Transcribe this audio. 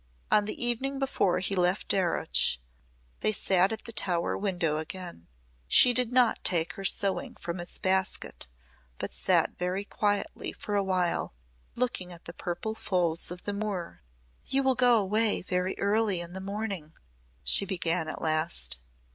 On the evening before he left Darreuch they sat at the Tower window again. She did not take her sewing from its basket, but sat very quietly for a while looking at the purple folds of moor. "You will go away very early in the morning," she began at last.